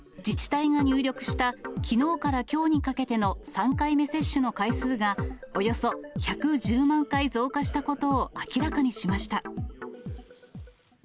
自治体が入力したきのうからきょうにかけての３回目接種の回数が、およそ１１０万回増加したことを明らかにしました。